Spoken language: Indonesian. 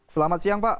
selamat siang pak